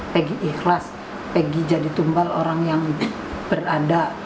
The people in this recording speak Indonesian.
pegi ikhlas pergi jadi tumbal orang yang berada